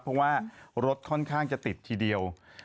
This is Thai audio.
เพราะว่ารถค่อนข้างจะติดทีเดียว